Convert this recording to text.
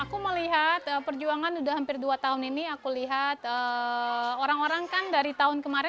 aku melihat perjuangan sudah hampir dua tahun ini aku lihat orang orang kan dari tahun kemarin